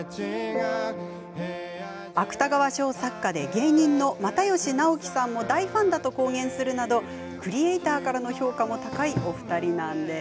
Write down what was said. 芥川賞作家で芸人の又吉直樹さんも大ファンだと公言するなどクリエーターからの評価も高いお二人なんです。